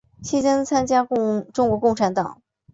期间参加中国共产党。